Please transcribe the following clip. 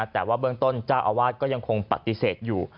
ทางต้นเจ้าอาวาสก็ยังคงปฏิเสธอยู่